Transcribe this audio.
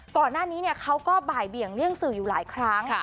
ก่อนหน้านี้เขาก็บ่ายเบี่ยงสื่ออยู่หลายครั้ง